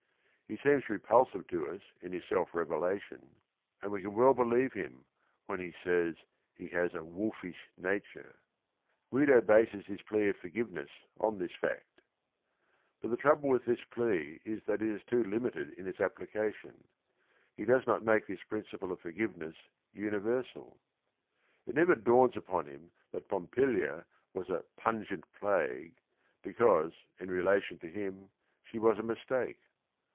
He seems re pulsive to us in his self revelation, and we can well believe him, when he says he has a "wolfish nature." Guido bases his plea of forgiveness on this fact. B ut the trouble with thb plea is that iiig tnn Mmitpf] j n jfc, application He does not ffiako this principle of forgivene ss universal. It never dawns upon him that Pompilia was a "pungent plague," because, in relation to him, she was a mistake.